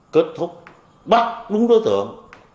kết thúc bắt đúng đối tượng